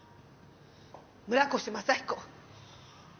村越正彦。